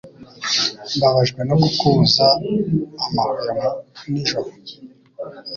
Mbabajwe no kukubuza amahwemo nijoro.